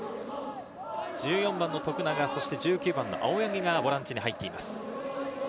１４番の徳永、そして１９番の青柳がボランチに入っています。